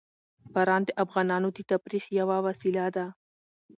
باران د افغانانو د تفریح یوه وسیله ده.